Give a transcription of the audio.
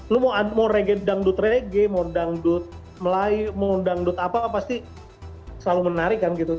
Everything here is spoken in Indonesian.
lo mau dangdut regge mau dangdut melayu mau dangdut apa pasti selalu menarik kan gitu